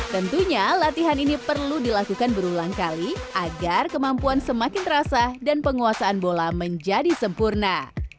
tentunya latihan ini perlu dilakukan berulang kali agar kemampuan semakin terasa dan penguasaan bola menjadi sempurna